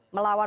pada adam